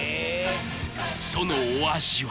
そのお味は？